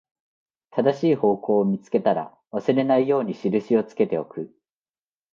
正しい方向を見つけたら、忘れないように印をつけておく